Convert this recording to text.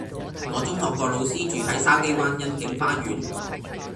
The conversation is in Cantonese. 我中學個老師住喺筲箕灣欣景花園